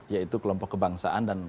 yaitu kelompok kebangsaan dan